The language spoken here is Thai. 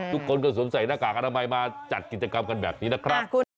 ทุกคนก็สวมใส่หน้ากากอนามัยมาจัดกิจกรรมกันแบบนี้นะครับ